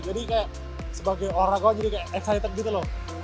jadi kayak sebagai orang kok jadi kayak excited gitu loh